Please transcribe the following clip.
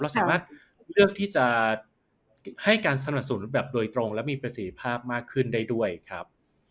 สามารถเลือกที่จะให้การสนับสนุนแบบโดยตรงและมีประสิทธิภาพมากขึ้นได้ด้วยครับ